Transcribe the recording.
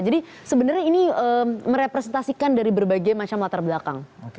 jadi sebenarnya ini merepresentasikan dari berbagai macam latar belakang